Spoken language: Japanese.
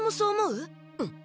うん。